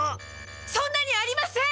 そんなにありません！